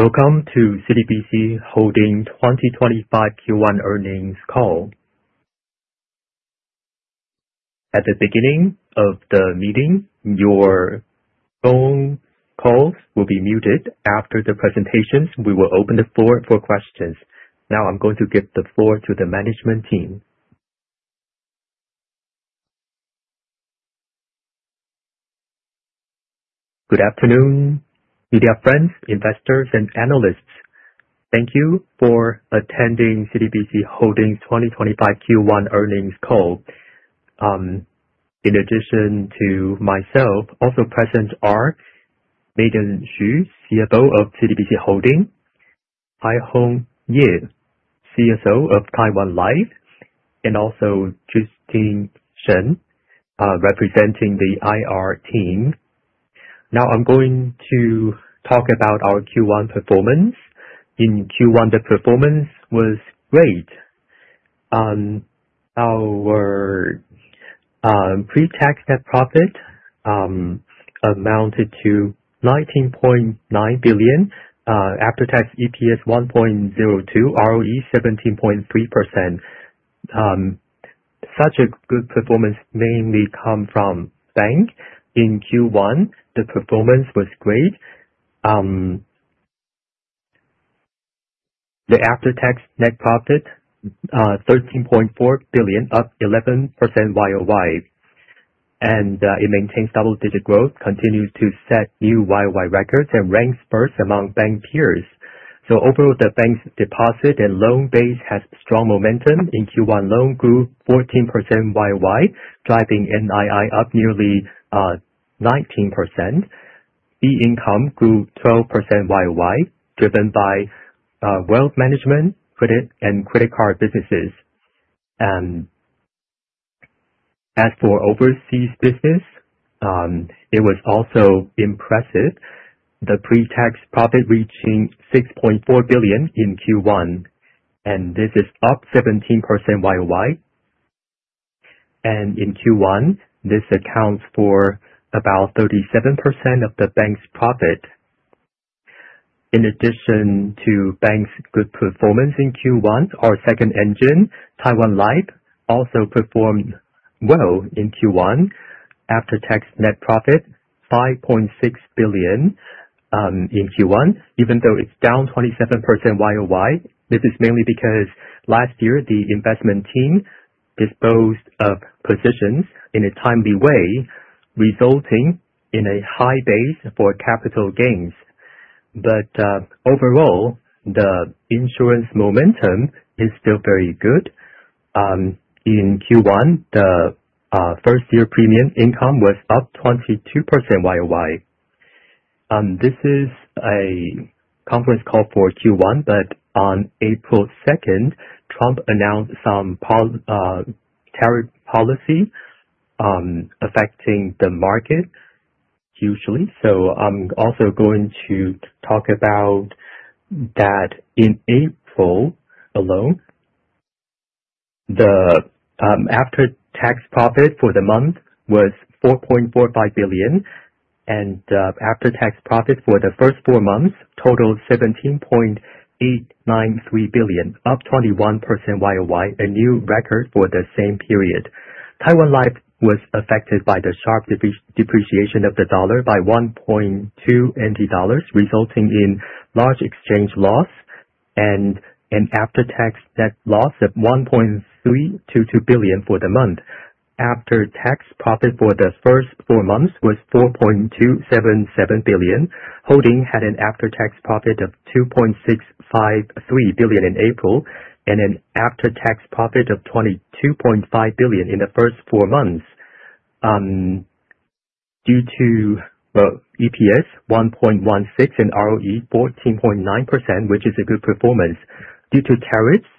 Welcome to CTBC Financial Holding 2025 Q1 earnings call. At the beginning of the meeting, your phone calls will be muted. After the presentations, we will open the floor for questions. Now I am going to give the floor to the management team. Good afternoon, media friends, investors, and analysts. Thank you for attending CTBC Financial Holding's 2025 Q1 earnings call. In addition to myself, also present are Megan Hsu, CFO of CTBC Financial Holding, Hai-Hong Yeh, CSO, Taiwan Life, and also Justine Shen, representing the IR team. Now I am going to talk about our Q1 performance. In Q1, the performance was great. Our pre-tax net profit amounted to 19.9 billion, after-tax EPS 1.02, ROE 17.3%. Such a good performance mainly come from bank. In Q1, the performance was great. The after-tax net profit, 13.4 billion, up 11% YOY. It maintains double-digit growth, continues to set new YOY records and ranks first among bank peers. Overall, the bank's deposit and loan base has strong momentum. In Q1, loan grew 14% YOY, driving NII up nearly 19%. Fee income grew 12% YOY, driven by wealth management and credit card businesses. As for overseas business, it was also impressive. The pre-tax profit reaching 6.4 billion in Q1, and this is up 17% YOY. In Q1, this accounts for about 37% of the bank's profit. In addition to bank's good performance in Q1, our second engine, Taiwan Life, also performed well in Q1. After-tax net profit 5.6 billion in Q1, even though it is down 27% YOY. This is mainly because last year the investment team disposed of positions in a timely way, resulting in a high base for capital gains. But overall, the insurance momentum is still very good. In Q1, the first-year premium income was up 22% YOY. This is a conference call for Q1, but on April 2nd, Trump announced some tariff policy affecting the market hugely. So I am also going to talk about that. In April alone, the after-tax profit for the month was 4.45 billion, and after-tax profit for the first four months totaled 17.893 billion, up 21% YOY, a new record for the same period. Taiwan Life was affected by the sharp depreciation of the NT dollar by 1.2 NT dollars, resulting in large exchange loss and an after-tax net loss of 1.322 billion for the month. After-tax profit for the first four months was 4.277 billion. CTBC Financial Holding had an after-tax profit of 2.653 billion in April, and an after-tax profit of 22.5 billion in the first four months. Due to, EPS 1.16 and ROE 14.9%, which is a good performance. Due to tariffs,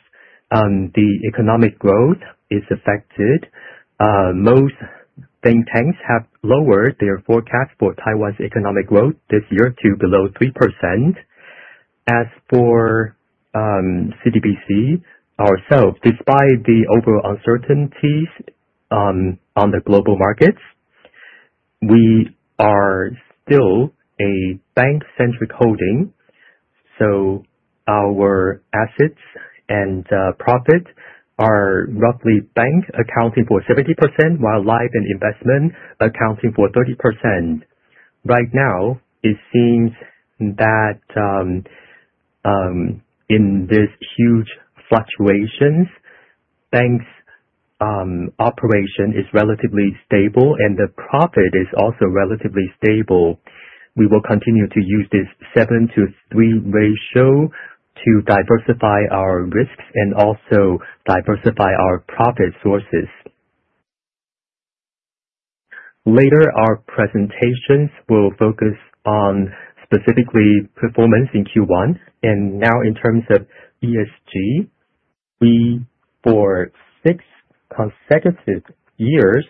the economic growth is affected. Most think tanks have lowered their forecast for Taiwan's economic growth this year to below 3%. As for CTBC Financial Holding ourselves, despite the overall uncertainties on the global markets, we are still a bank-centric holding, so our assets and profit are roughly bank accounting for 70%, while life and investment accounting for 30%. Right now, it seems that in this huge fluctuations, bank's operation is relatively stable and the profit is also relatively stable. We will continue to use this 7 to 3 ratio to diversify our risks and also diversify our profit sources. Later, our presentations will focus on specifically performance in Q1. Now in terms of ESG, for six consecutive years,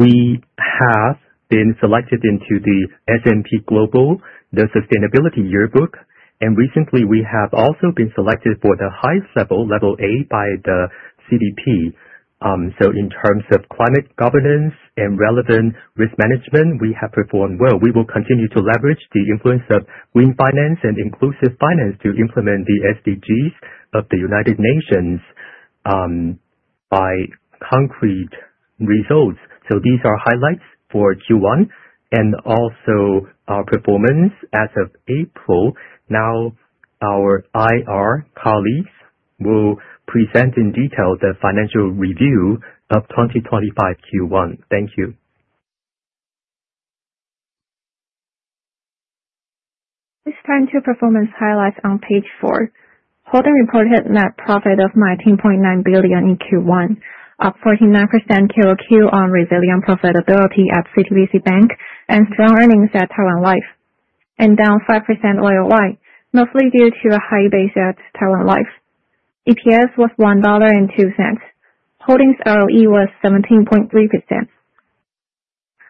we have been selected into the S&P Global, the Sustainability Yearbook. And recently, we have also been selected for the highest level A, by the CDP. In terms of climate governance and relevant risk management, we have performed well. We will continue to leverage the influence of green finance and inclusive finance to implement the SDGs of the United Nations by concrete results. These are highlights for Q1 and also our performance as of April. Our IR colleagues will present in detail the financial review of 2025 Q1. Thank you. Let's turn to performance highlights on page four. Holding reported net profit of 19.9 billion in Q1, up 49% QOQ on resilient profitability at CTBC Bank, and strong earnings at Taiwan Life, and down 5% YoY, mostly due to a high base at Taiwan Life. EPS was 1.02 dollar. Holdings ROE was 17.3%.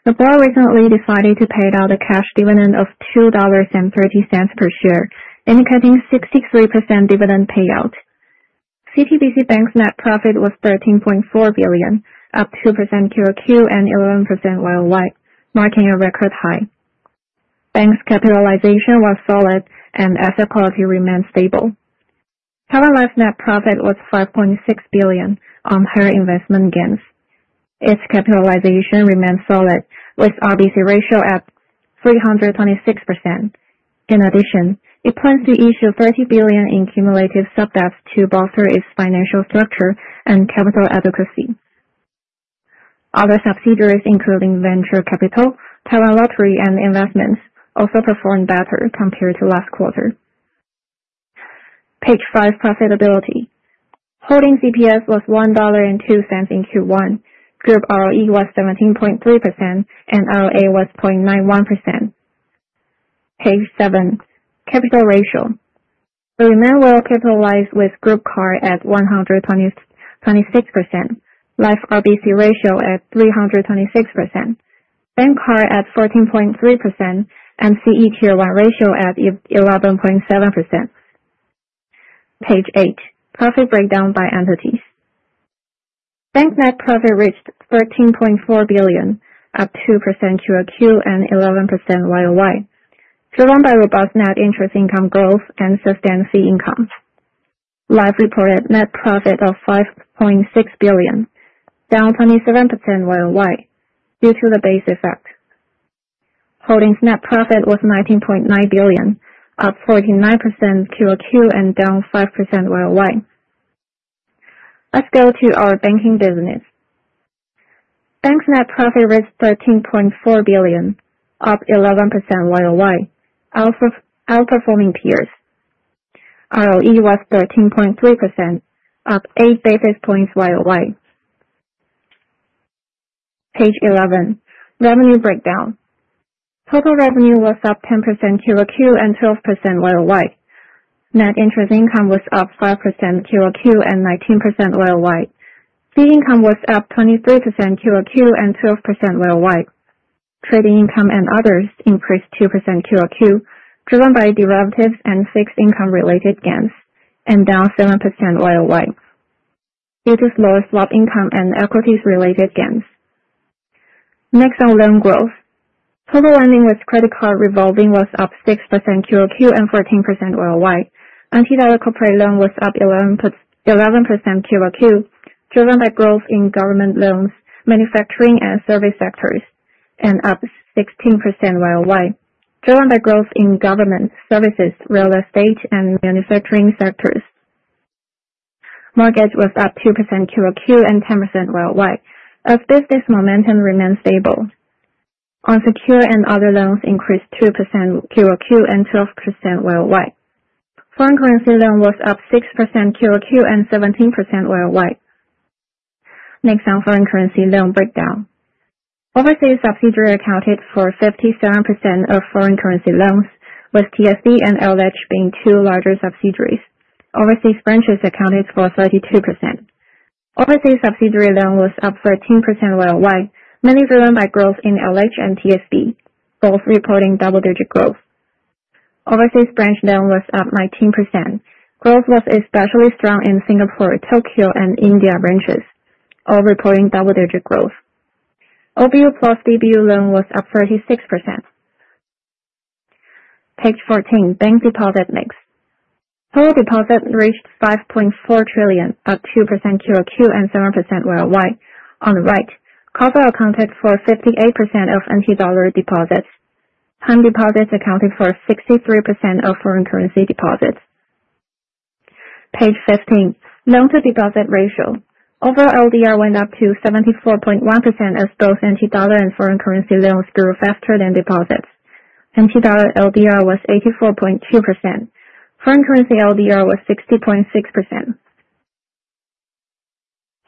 The board recently decided to pay out a cash dividend of 2.30 dollars per share, indicating 63% dividend payout. CTBC Bank's net profit was 13.4 billion, up 2% QOQ and 11% YoY, marking a record high. Bank's capitalization was solid and asset quality remained stable. Taiwan Life net profit was 5.6 billion on higher investment gains. Its capitalization remains solid with RBC ratio at 326%. In addition, it plans to issue 30 billion in cumulative sub-debt to bolster its financial structure and capital adequacy. Other subsidiaries, including Venture Capital, Taiwan Lottery, and Investments also performed better compared to last quarter. Page five, profitability. Holding CPS was 1.02 dollar in Q1. Group ROE was 17.3%, and ROA was 0.91%. Page seven, capital ratio. We remain well-capitalized with group CAR at 126%, Life RBC ratio at 326%, Bank CAR at 14.3%, and CE Tier 1 ratio at 11.7%. Page eight, profit breakdown by entities. Bank net profit reached 13.4 billion, up 2% QOQ and 11% YoY, driven by robust net interest income growth and sustained fee income. Life reported net profit of 5.6 billion, down 27% YoY due to the base effect. Holdings net profit was 19.9 billion, up 49% QOQ and down 5% YoY. Let's go to our banking business. Bank's net profit reached 13.4 billion, up 11% YoY, outperforming peers. ROE was 13.3%, up eight basis points YoY. Page 11, revenue breakdown. Total revenue was up 10% QOQ and 12% YoY. Net interest income was up 5% QOQ and 19% YoY. Fee income was up 23% QOQ and 12% YoY. Trading income and others increased 2% QOQ, driven by derivatives and fixed-income related gains, and down 7% YoY due to lower swap income and equities-related gains. Next, on loan growth. Total earnings with credit card revolving was up 6% QOQ and 14% YoY. NT dollar corporate loan was up 11% QOQ, driven by growth in government loans, manufacturing and service sectors, and up 16% YoY, driven by growth in government services, real estate, and manufacturing sectors. Mortgage was up 2% QOQ and 10% YoY, as business momentum remained stable. Unsecured and other loans increased 2% QOQ and 12% YoY. Foreign currency loan was up 6% QOQ and 17% YoY. Next, on foreign currency loan breakdown. Overseas subsidiaries accounted for 57% of foreign currency loans, with TSB and LH being two larger subsidiaries. Overseas branches accounted for 32%. Overseas subsidiary loan was up 13% year-over-year, mainly driven by growth in LH and TSB, both reporting double-digit growth. Overseas branch loan was up 19%. Growth was especially strong in Singapore, Tokyo, and India branches, all reporting double-digit growth. OBU plus DBU loan was up 36%. Page 14, bank deposit mix. Total deposit reached 5.4 trillion, up 2% quarter-over-quarter and 7% year-over-year. On the right, COF R accounted for 58% of anti-dollar deposits. Huarun deposits accounted for 63% of foreign currency deposits. Page 15, loan-to-deposit ratio. Overall LDR went up to 74.1% as both anti-dollar and foreign currency loans grew faster than deposits. Anti-dollar LDR was 84.2%. Foreign currency LDR was 60.6%.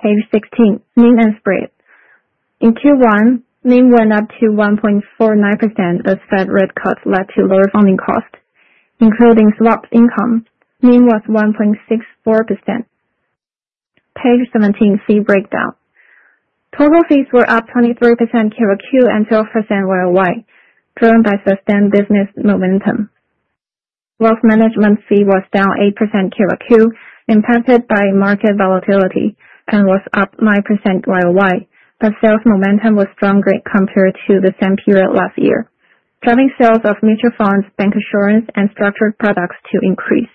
Page 16, NIM and spread. In Q1, NIM went up to 1.49% as Fed rate cuts led to lower funding costs, including swap income. NIM was 1.64%. Page 17, fee breakdown. Total fees were up 23% quarter-over-quarter and 12% year-over-year, driven by sustained business momentum. Wealth management fee was down 8% quarter-over-quarter, impacted by market volatility, and was up 9% year-over-year. Sales momentum was stronger compared to the same period last year, driving sales of mutual funds, bank assurance, and structured products to increase.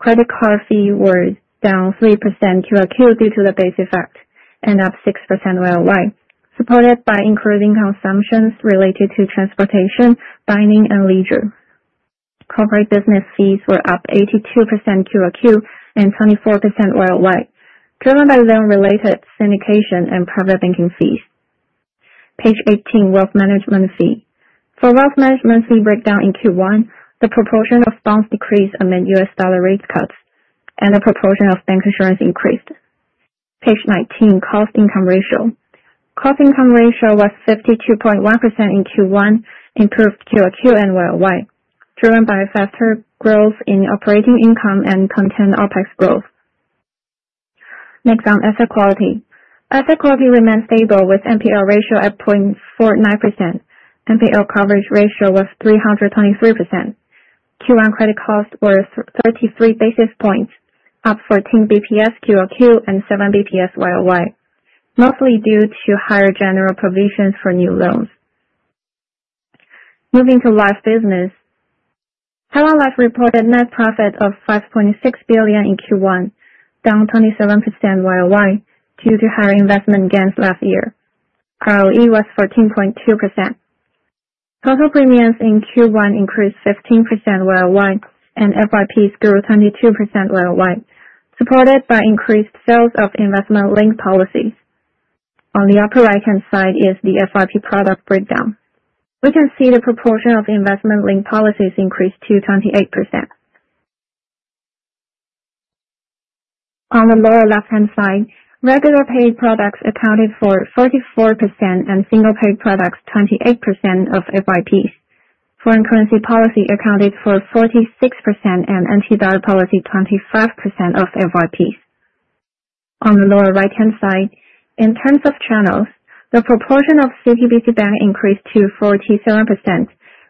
Credit card fee was down 3% quarter-over-quarter due to the base effect, and up 6% year-over-year, supported by increasing consumptions related to transportation, dining, and leisure. Corporate business fees were up 82% quarter-over-quarter and 24% year-over-year, driven by loan-related syndication and private banking fees. Page 18, wealth management fee. For wealth management fee breakdown in Q1, the proportion of bonds decreased amid US dollar rate cuts, and the proportion of bank assurance increased. Page 19, cost income ratio. Cost income ratio was 52.1% in Q1, improved quarter-over-quarter and year-over-year, driven by faster growth in operating income and contained OpEx growth. Next on asset quality. Asset quality remained stable with NPRL ratio at 0.49%. NPRL coverage ratio was 323%. Q1 credit costs were 33 basis points, up 14 BPS quarter-over-quarter and 7 BPS year-over-year, mostly due to higher general provisions for new loans. Moving to life business. Taiwan Life reported net profit of 5.6 billion in Q1, down 27% year-over-year due to higher investment gains last year. ROE was 14.2%. Total premiums in Q1 increased 15% year-over-year and FYPs grew 22% year-over-year, supported by increased sales of investment-linked policies. On the upper right-hand side is the FYP product breakdown. We can see the proportion of investment-linked policies increased to 28%. On the lower left-hand side, regular pay products accounted for 44% and single-pay products 28% of FYPs. Foreign currency policy accounted for 46% and anti-dollar policy 25% of FYPs. On the lower right-hand side, in terms of channels, the proportion of CTBC Bank increased to 47%,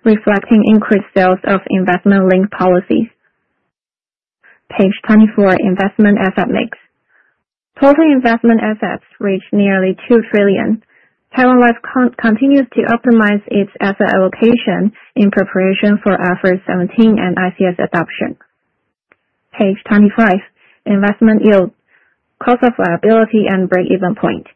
reflecting increased sales of investment-linked policies. Page 24, investment asset mix. Total investment assets reached TWD nearly two trillion. Taiwan Life continues to optimize its asset allocation in preparation for IFRS 17 and ICS adoption. Page 25, investment yield, cost of liability, and breakeven point.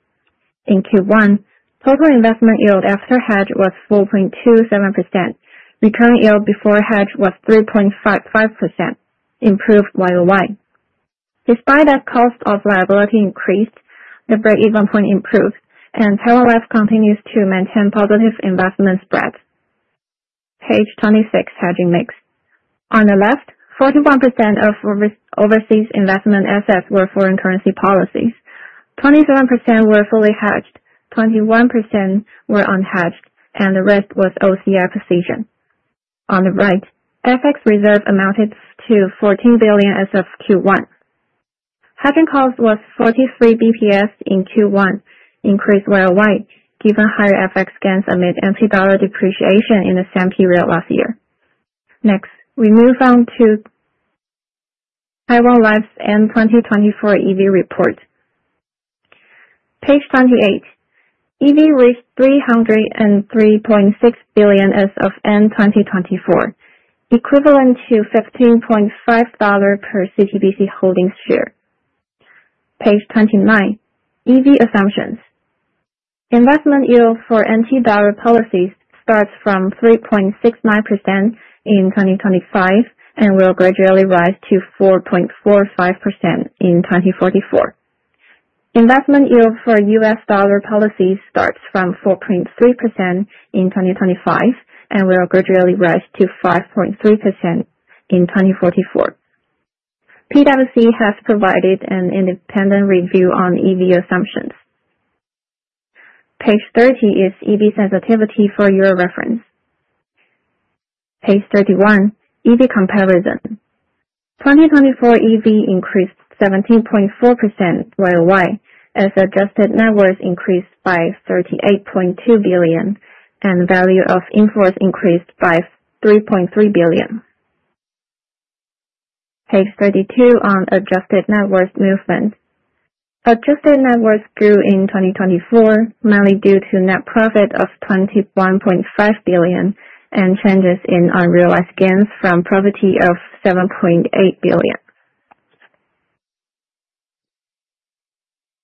In Q1, total investment yield after hedge was 4.27%. Recurrent yield before hedge was 3.55%, improved year-over-year. Despite that cost of liability increased, the breakeven point improved and Taiwan Life continues to maintain positive investment spread. Page 26, hedging mix. On the left, 41% of overseas investment assets were foreign currency policies. 27% were fully hedged, 21% were unhedged, and the rest was OCI position. On the right, FX reserve amounted to 14 billion as of Q1. Hedging cost was 43 basis points in Q1, increased year-over-year, given higher FX gains amid NT dollar depreciation in the same period last year. Next, we move on to Taiwan Life's end 2024 EV report. Page 28. EV reached 303.6 billion as of end 2024, equivalent to 15.5 dollar per CTBC Financial Holding share. Page 29, EV assumptions. Investment yield for NT dollar policies starts from 3.69% in 2025 and will gradually rise to 4.45% in 2044. Investment yield for US dollar policies starts from 4.3% in 2025 and will gradually rise to 5.3% in 2044. PwC has provided an independent review on EV assumptions. Page 30 is EV sensitivity for your reference. Page 31, EV comparison. 2024 EV increased 17.4% year-over-year as adjusted net worth increased by 38.2 billion, and value of in-force increased by 3.3 billion. Page 32 on adjusted net worth movement. Adjusted net worth grew in 2024, mainly due to net profit of 21.5 billion and changes in unrealized gains from property of 7.8 billion.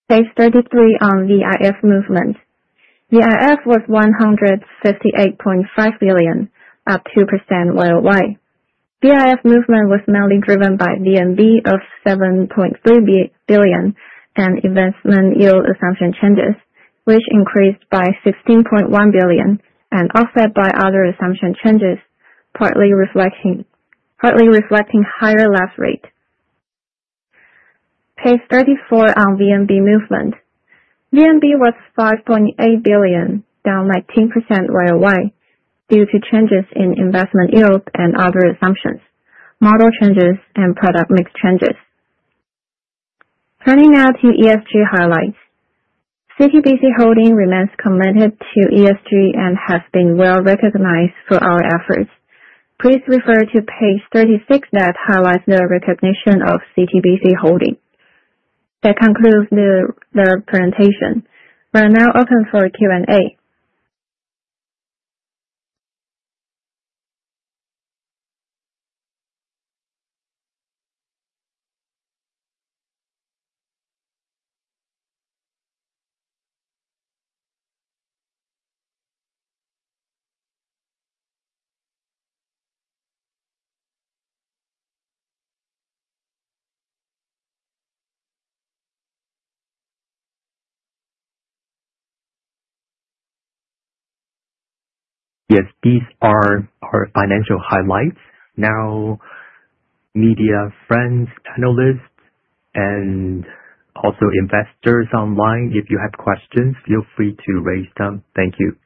Page 33 on VIF movement. VIF was 158.5 billion, up 2% year-over-year. VIF movement was mainly driven by VNB of 7.3 billion and investment yield assumption changes, which increased by 16.1 billion and offset by other assumption changes, partly reflecting higher lapse rate. Page 34 on VNB movement. VNB was 5.8 billion, down 19% year-over-year, due to changes in investment yield and other assumptions, model changes, and product mix changes. Turning now to ESG highlights. CTBC Financial Holding remains committed to ESG and has been well recognized for our efforts. Please refer to page 36 that highlights the recognition of CTBC Financial Holding. That concludes the presentation. We are now open for Q&A. Yes. These are our financial highlights. Now, media friends, panelists, and also investors online, if you have questions, feel free to raise them. Thank you.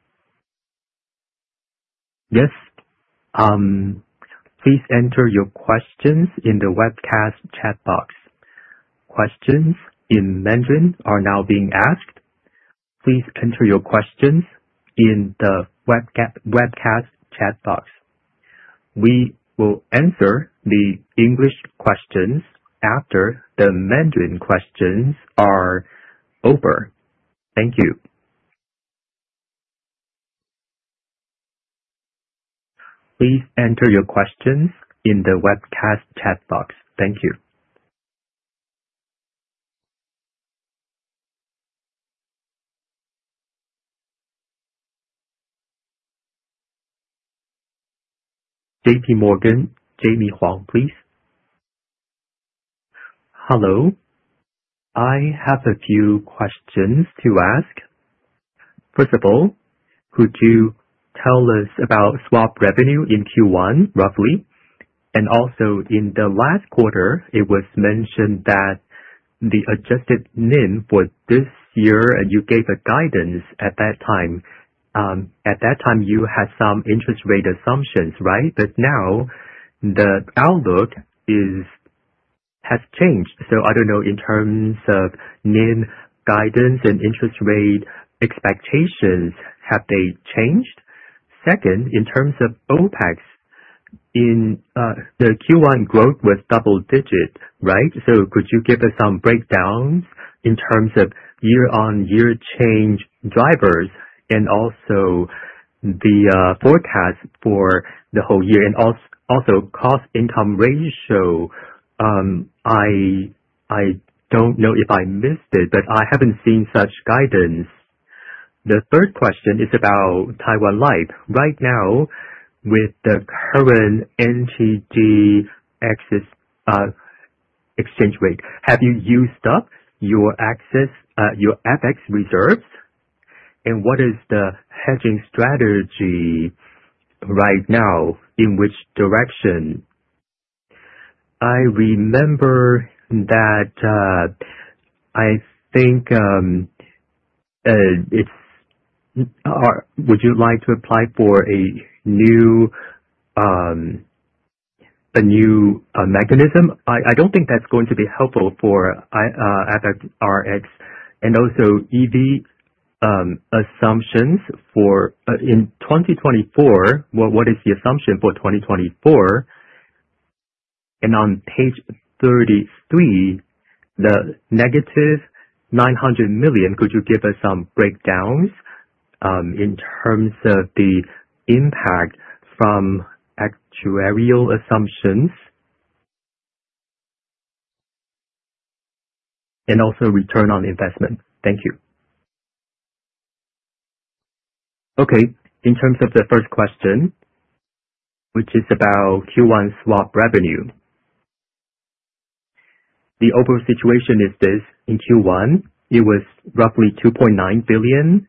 Yes. Please enter your questions in the webcast chat box. Questions in Mandarin are now being asked. Please enter your questions in the webcast chat box. We will answer the English questions after the Mandarin questions are over. Thank you. Please enter your questions in the webcast chat box. Thank you. JPMorgan, Jamie Huang, please. Hello. I have a few questions to ask. First of all, could you tell us about swap revenue in Q1, roughly? In the last quarter, it was mentioned that the adjusted NIM for this year, and you gave a guidance at that time. At that time, you had some interest rate assumptions, right? Now, the outlook has changed. I do not know, in terms of NIM guidance and interest rate expectations, have they changed? Second, in terms of OpEx, in the Q1 growth was double-digit, right? Could you give us some breakdowns in terms of year-on-year change drivers and also the forecast for the whole year? Also cost-income ratio, I do not know if I missed it, but I have not seen such guidance. The third question is about Taiwan Life. Right now, with the current TWD exchange rate, have you used up your FX reserves? What is the hedging strategy right now, in which direction? Would you like to apply for a new mechanism? I do not think that is going to be helpful for FX and also EV assumptions. In 2024, what is the assumption for 2024? On page 33, the negative 900 million, could you give us some breakdowns in terms of the impact from actuarial assumptions? Also return on investment. Thank you. In terms of the first question, which is about Q1 swap revenue. The overall situation is this: in Q1, it was roughly 2.9 billion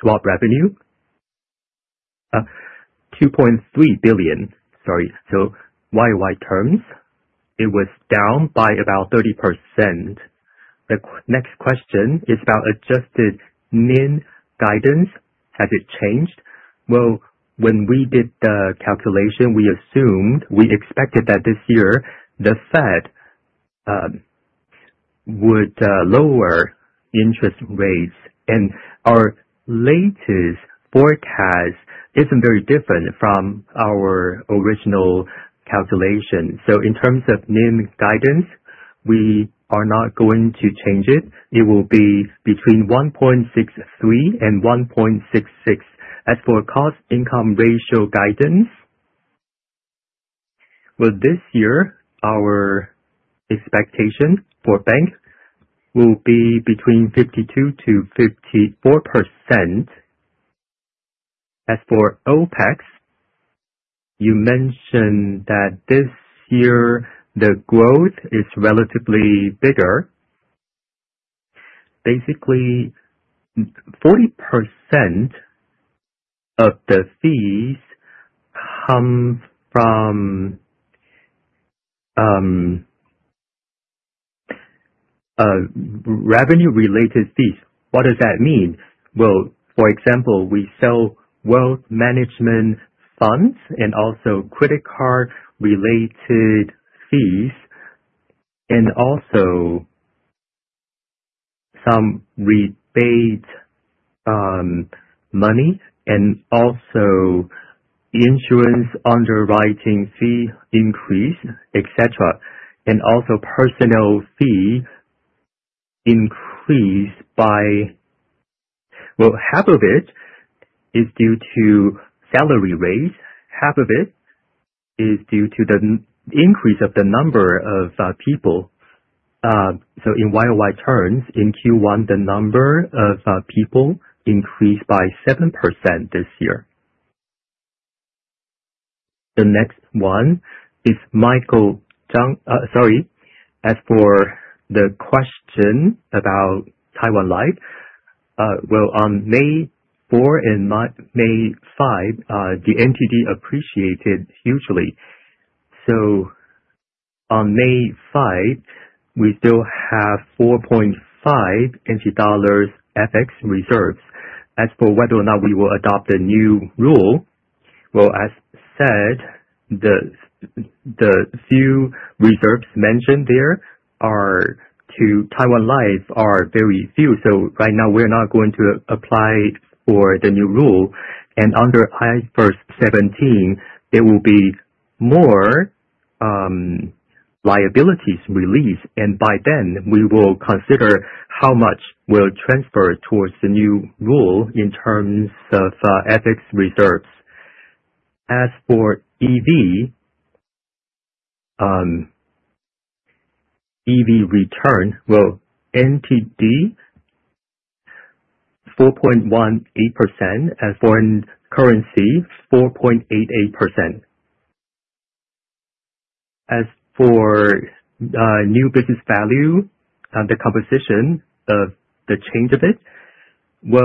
swap revenue. 2.3 billion, sorry. So year-over-year terms, it was down by about 30%. The next question is about adjusted NIM guidance. Has it changed? When we did the calculation, we expected that this year the Fed would lower interest rates, and our latest forecast is not very different from our original calculation. So in terms of NIM guidance, we are not going to change it. It will be between 1.63% and 1.66%. As for cost-income ratio guidance, this year, our expectation for banks will be between 52%-54%. As for OpEx, you mentioned that this year the growth is relatively bigger. Basically, 40% of the fees come from revenue-related fees. What does that mean? For example, we sell wealth management funds and also credit card-related fees, and also some rebate money, and also insurance underwriting fee increase, et cetera, and also personnel fee increase. Half of it is due to salary raise, half of it is due to the increase of the number of people. So in year-on-year terms, in Q1, the number of people increased by 7% this year. The next one is Michael Chang. Sorry. As for the question about Taiwan Life. On May 4 and May 5, the TWD appreciated hugely. So on May 5, we still have 4.5 dollars FX reserves. As for whether or not we will adopt a new rule, as said, the few reserves mentioned there to Taiwan Life are very few, so right now we are not going to apply for the new rule. Under IFRS 17, there will be more liabilities released, and by then we will consider how much we will transfer towards the new rule in terms of FX reserves. As for EV return, TWD 4.18%, and foreign currency 4.88%. As for new business value, the composition of the change a bit.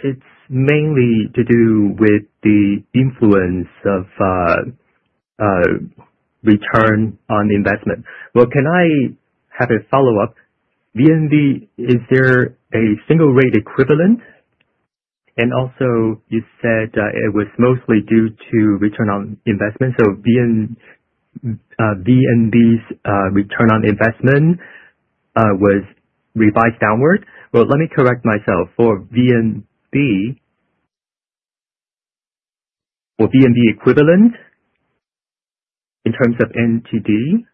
It is mainly to do with the influence of return on investment. Can I have a follow-up? VNB, is there a single rate equivalent? You said, it was mostly due to return on investment. So VNB's return on investment was revised downward. Let me correct myself. For VNB equivalent, in terms of TWD,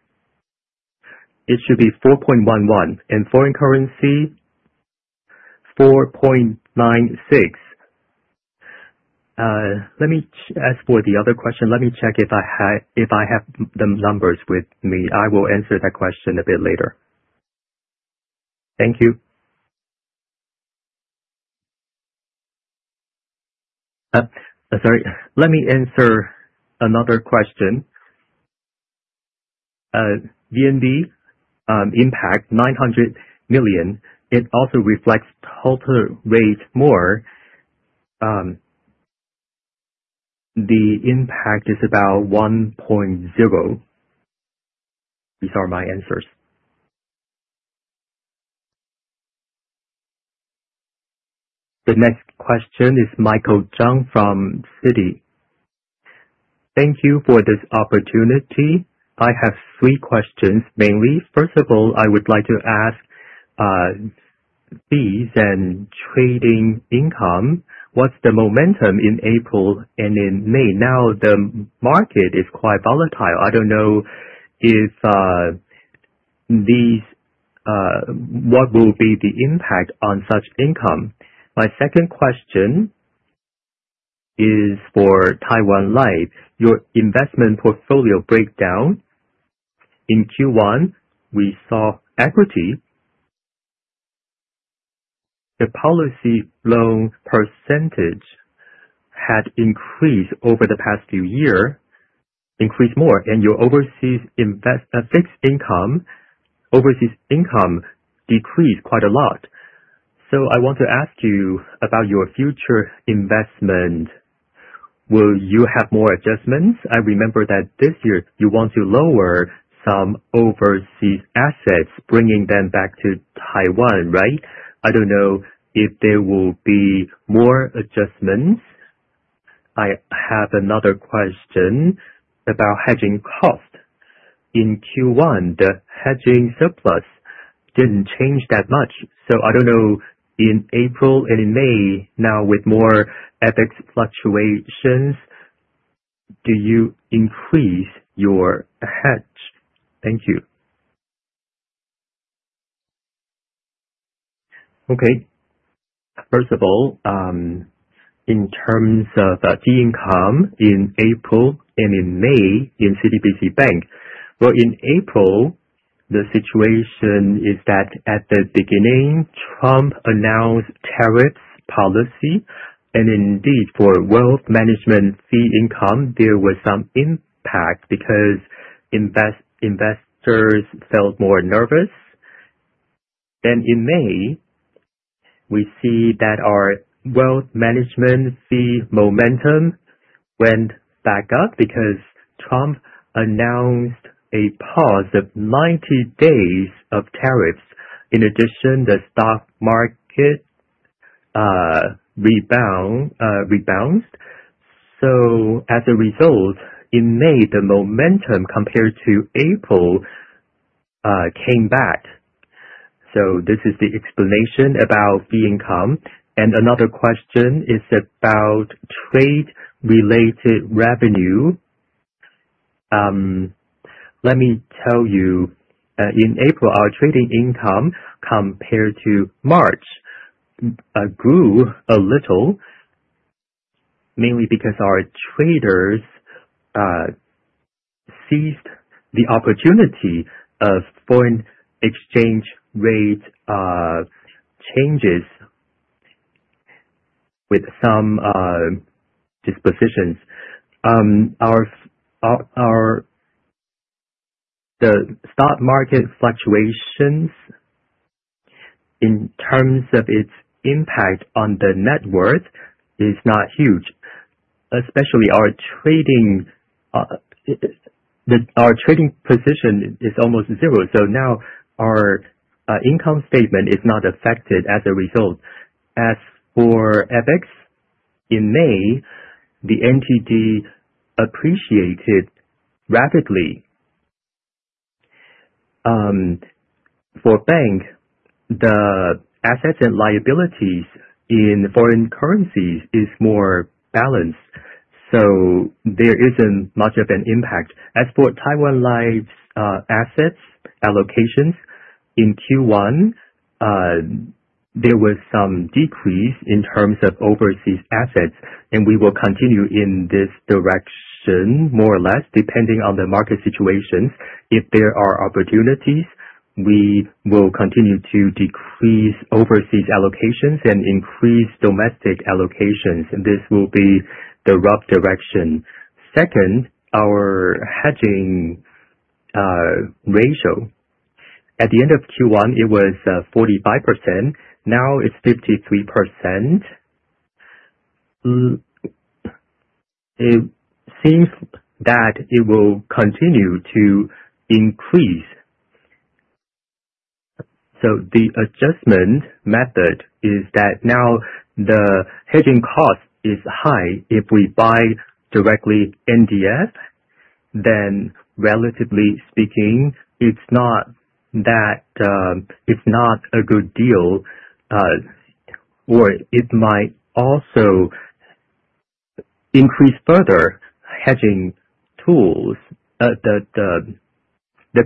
it should be 4.11, and foreign currency 4.96. As for the other question, let me check if I have the numbers with me. I will answer that question a bit later. Thank you. Sorry. Let me answer another question. VNB impact 900 million. It also reflects total rate more. The impact is about 1.0%. These are my answers. The next question is Michael Chang from Citi. Thank you for this opportunity. I have three questions mainly. First of all, I would like to ask fees and trading income. What's the momentum in April and in May? The market is quite volatile. I don't know what will be the impact on such income. My second question is for Taiwan Life, your investment portfolio breakdown. In Q1, we saw equity. The policy loan percentage had increased over the past few year, increased more, and your overseas fixed income, overseas income decreased quite a lot. I want to ask you about your future investment. Will you have more adjustments? I remember that this year you want to lower some overseas assets, bringing them back to Taiwan, right? I don't know if there will be more adjustments? I have another question about hedging cost. In Q1, the hedging surplus didn't change that much. I don't know in April and in May, with more FX fluctuations, do you increase your hedge? Thank you. Okay. First of all, in terms of fee income in April and in May in CTBC Bank. In April, the situation is that at the beginning, Trump announced tariffs policy and indeed for wealth management fee income, there was some impact because investors felt more nervous. In May, we see that our wealth management fee momentum went back up because Trump announced a pause of 90 days of tariffs. In addition, the stock market rebounded. As a result, in May, the momentum compared to April came back. This is the explanation about fee income. Another question is about trade-related revenue. Let me tell you, in April, our trading income compared to March grew a little, mainly because our traders seized the opportunity of foreign exchange rate changes with some dispositions. The stock market fluctuations in terms of its impact on the net worth is not huge, especially our trading position is almost zero. Our income statement is not affected as a result. As for FX, in May, the NTD appreciated rapidly. For bank, the assets and liabilities in foreign currencies is more balanced. There isn't much of an impact. As for Taiwan Life's assets allocations, in Q1, there was some decrease in terms of overseas assets, and we will continue in this direction, more or less, depending on the market situations. If there are opportunities, we will continue to decrease overseas allocations and increase domestic allocations. This will be the rough direction. Second, our hedging ratio. At the end of Q1, it was 45%. Now it's 53%. It seems that it will continue to increase. The adjustment method is that the hedging cost is high. If we buy directly NDF, relatively speaking, it's not a good deal. It might also increase further the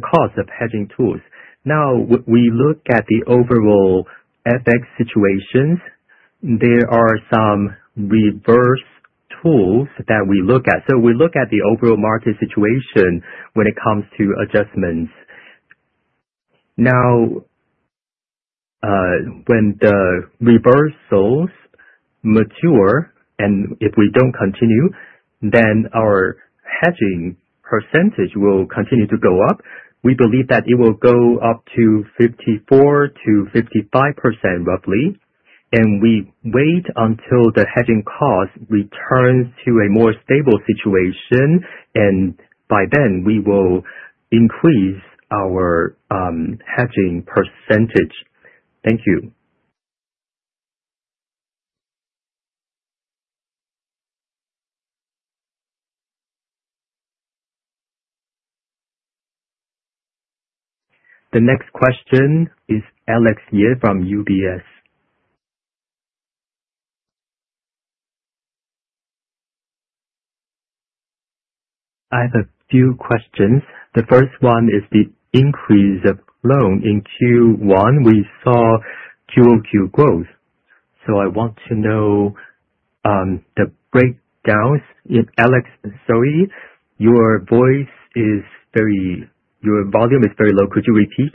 cost of hedging tools. We look at the overall FX situations. There are some reverse tools that we look at. We look at the overall market situation when it comes to adjustments. When the reversals mature and if we don't continue, then our hedging percentage will continue to go up. We believe that it will go up to 54%-55%, roughly, and we wait until the hedging cost returns to a more stable situation, and by then we will increase our hedging percentage. Thank you. The next question is Alex Ye from UBS. I have a few questions. The first one is the increase of loan. In Q1, we saw QoQ growth. I want to know the breakdowns. Alex, sorry, your volume is very low. Could you repeat?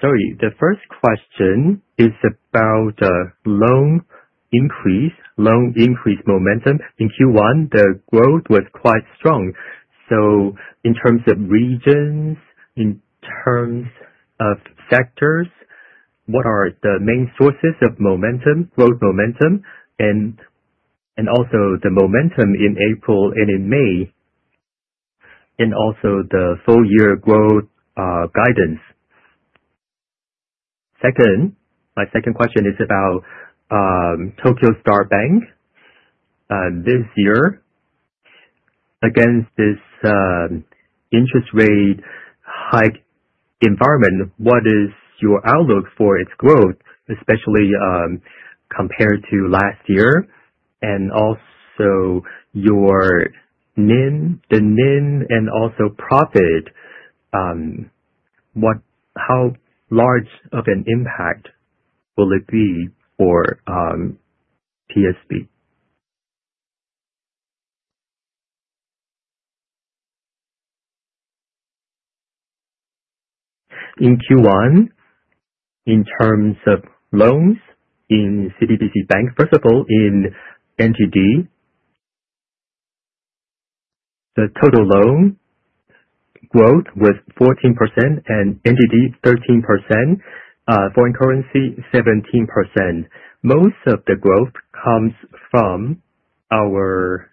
Sorry. The first question is about the loan increase momentum. In Q1, the growth was quite strong. In terms of regions, in terms of sectors, what are the main sources of growth momentum, and also the momentum in April and in May, and also the full-year growth guidance. Second, my second question is about Tokyo Star Bank. This year, against this interest rate hike environment, what is your outlook for its growth, especially compared to last year, and also your NIM and also profit, how large of an impact will it be for TSP? In Q1, in terms of loans in CTBC Bank, first of all, in TWD The total loan growth was TWD 14% and TWD 13%, foreign currency 17%. Most of the growth comes from our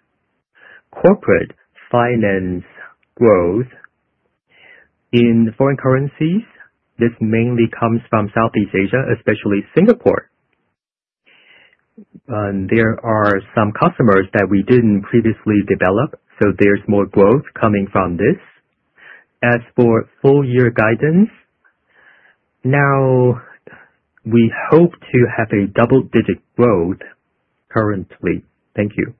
corporate finance growth. In foreign currencies, this mainly comes from Southeast Asia, especially Singapore. There are some customers that we didn't previously develop, so there's more growth coming from this. As for full year guidance, we hope to have a double-digit growth currently. Thank you.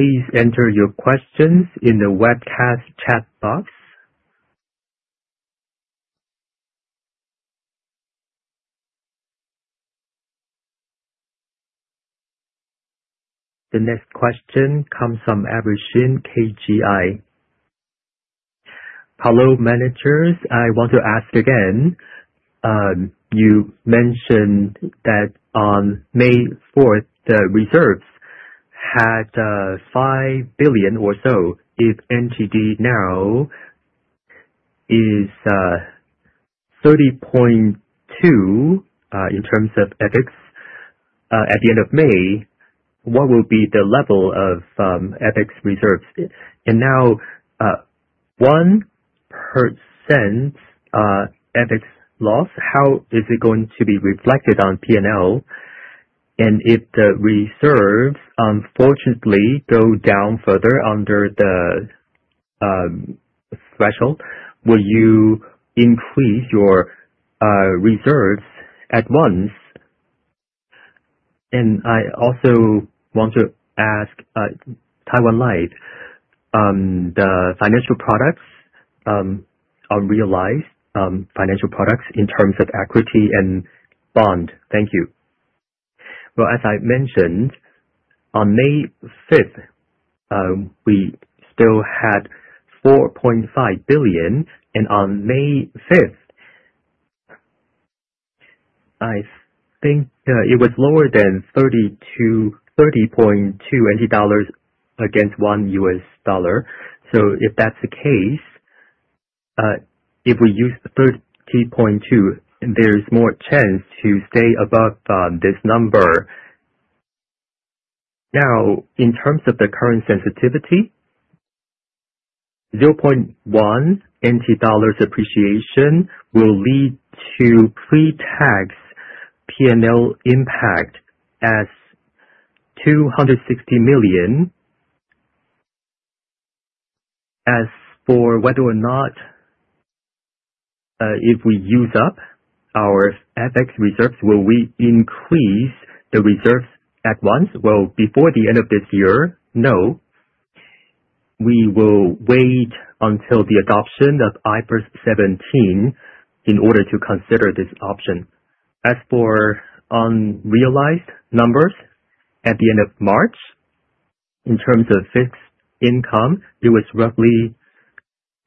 Please enter your questions in the webcast chat box. The next question comes from Abraham, KGI. Hello, managers. I want to ask again. You mentioned that on May 4th, the reserves had 5 billion or so. If TWD now is 30.2 in terms of FX at the end of May, what will be the level of FX reserves? 1% FX loss, how is it going to be reflected on P&L? If the reserves unfortunately go down further under the threshold, will you increase your reserves at once? I also want to ask Taiwan Life, the financial products, unrealized financial products in terms of equity and bond. Thank you. As I mentioned, on May 5th, we still had 4.5 billion, and on May 5th, I think it was lower than 30.2 dollars against one USD. If that's the case, if we use the 30.2, there is more chance to stay above this number. In terms of the current sensitivity, 0.1 TWD appreciation will lead to pre-tax P&L impact as TWD 260 million. As for whether or not if we use up our FX reserves, will we increase the reserves at once? Before the end of this year, no. We will wait until the adoption of IFRS 17 in order to consider this option. As for unrealized numbers, at the end of March, in terms of fixed income, it was roughly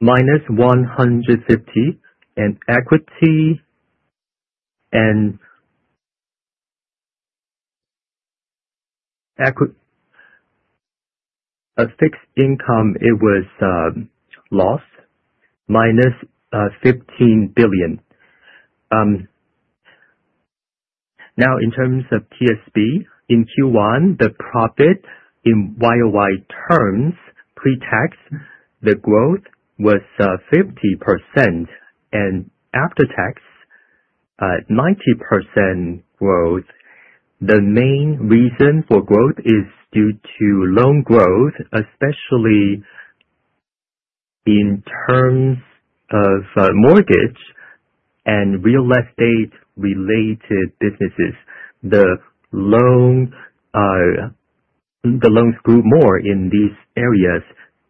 minus TWD 150 million in equity and fixed income, it was loss, minus TWD 15 billion. Now, in terms of TSB, in Q1, the profit in YOY terms pre-tax, the growth was 50%, and after-tax, 90% growth. The main reason for growth is due to loan growth, especially in terms of mortgage and real estate-related businesses. The loans grew more in these areas,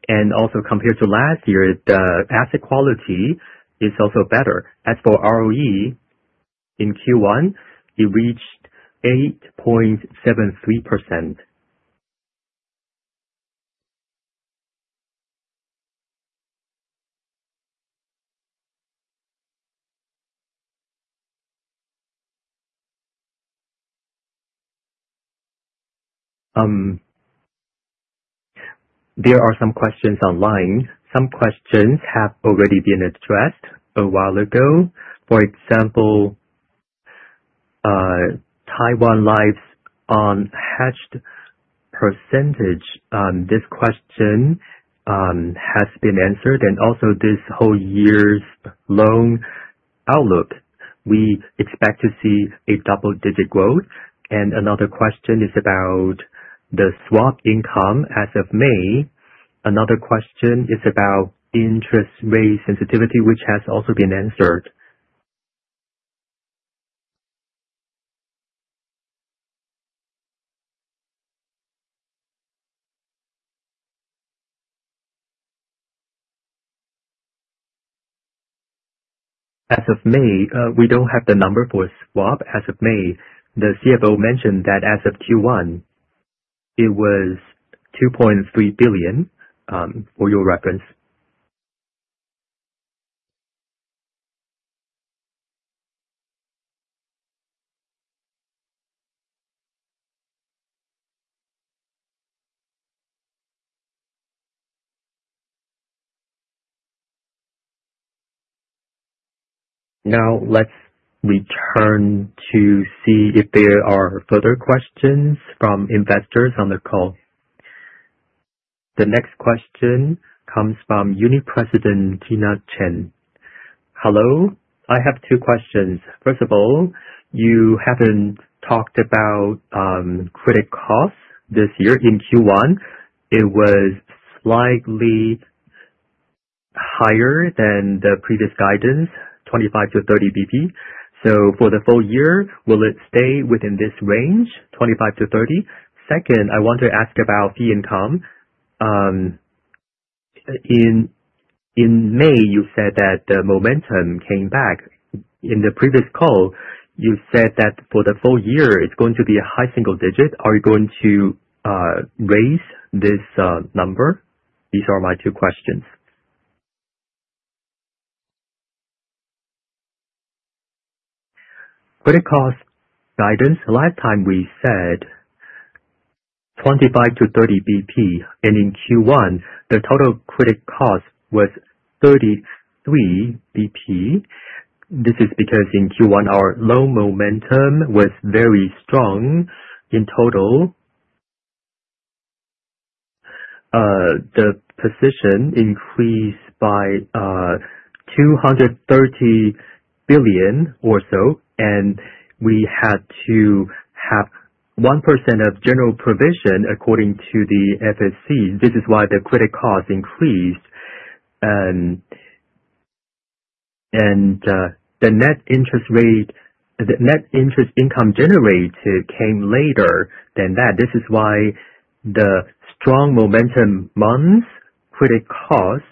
and also compared to last year, the asset quality is also better. As for ROE, in Q1, it reached 8.73%. There are some questions online. Some questions have already been addressed a while ago. For example, Taiwan Life's unhedged percentage. This question has been answered, and also this whole year's loan outlook. We expect to see a double-digit growth. Another question is about the swap income as of May. Another question is about interest rate sensitivity, which has also been answered. As of May, we don't have the number for swap. As of May, the CFO mentioned that as of Q1, it was 2.3 billion for your reference. Let's return to see if there are further questions from investors on the call. The next question comes from Uni-President, Gina Chen. Hello, I have two questions. First of all, you haven't talked about credit costs this year. In Q1, it was slightly higher than the previous guidance, 25-30 basis points. For the full year, will it stay within this range, 25-30 basis points? Second, I want to ask about fee income. In May, you said that the momentum came back. In the previous call, you said that for the full year, it's going to be a high single digit. Are you going to raise this number? These are my two questions. Credit cost guidance. Last time we said 25-30 basis points, in Q1, the total credit cost was 33 basis points. This is because in Q1, our loan momentum was very strong. In total, the position increased by 230 billion or so, and we had to have 1% of general provision, according to the FSC. This is why the credit cost increased. The net interest income generated came later than that. This is why the strong momentum month's credit cost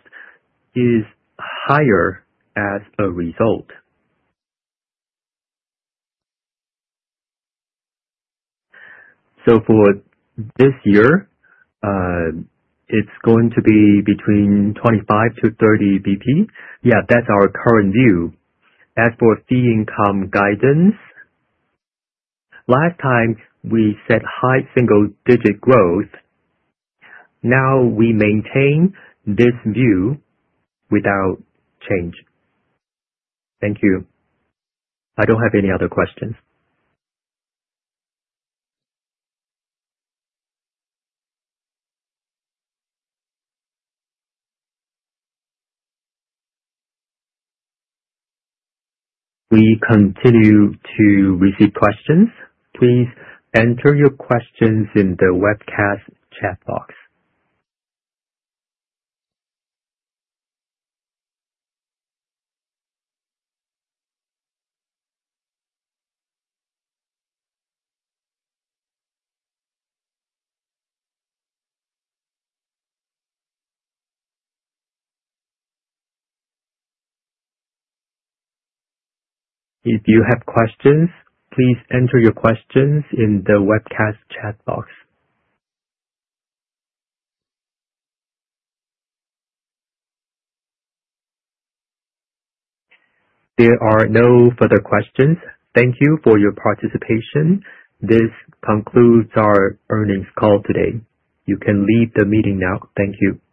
is higher as a result. For this year, it's going to be between 25-30 basis points. That's our current view. As for fee income guidance, last time we set high single-digit growth. We maintain this view without change. Thank you. I don't have any other questions. We continue to receive questions. Please enter your questions in the webcast chat box. If you have questions, please enter your questions in the webcast chat box. There are no further questions. Thank you for your participation. This concludes our earnings call today. You can leave the meeting now. Thank you.